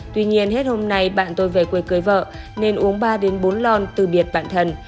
tuy nhiên hết hôm nay bạn tôi về quê cưới vợ nên uống ba bốn lon từ biệt bạn thân